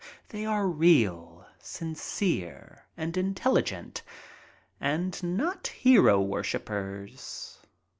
They are real, sincere, and intelligent, and not hero worshipers.